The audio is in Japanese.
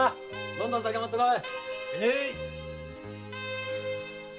どんどん酒持ってこい。